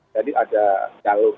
jadi ada jalan